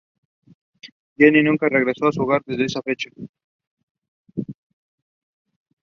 Jenny nunca regresó a su hogar desde esa fecha.